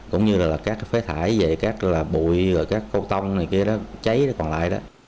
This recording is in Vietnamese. cũng như là các phế thải về các là bụi các cô tông này kia đó cháy còn lại đó